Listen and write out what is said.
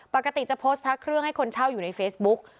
ปกติจะโพสต์พระเครื่องให้คนเช่าอยู่ในเฟซบุ๊ก